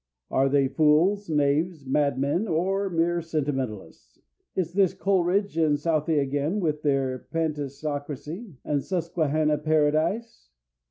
Are they fools, knaves, madmen, or mere sentimentalists?... Is this Coleridge and Southey again with their Pantisocracy and Susquehanna Paradise?